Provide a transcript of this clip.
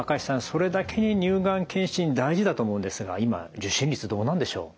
それだけに乳がん検診大事だと思うんですが今受診率どうなんでしょう。